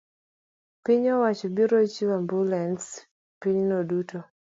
piny owacho biro chiwo ambulans e pinyno duto.